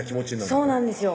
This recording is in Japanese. そうなんですよ